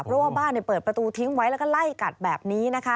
เพราะว่าบ้านเปิดประตูทิ้งไว้แล้วก็ไล่กัดแบบนี้นะคะ